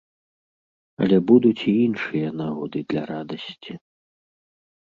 Але будуць і іншыя нагоды для радасці.